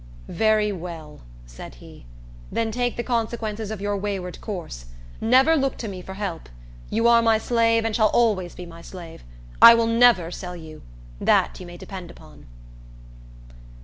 "Very well," said he; "then take the consequences of your wayward course. Never look to me for help. You are my slave, and shall always be my slave. I will never sell you, that you may depend upon."